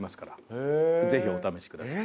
ぜひお試しください。